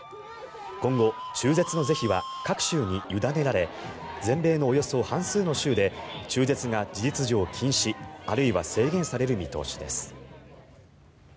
今後、中絶の是非は各州に委ねられ全米のおよそ半数の州で中絶が事実上禁止あるいは制限される見通しです。